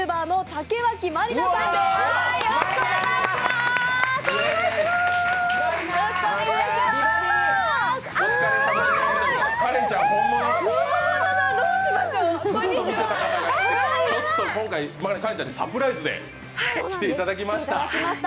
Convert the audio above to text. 今回花恋ちゃんにサプライズで来ていただきました。